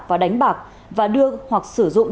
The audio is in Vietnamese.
và đánh bạc và đưa hoặc sử dụng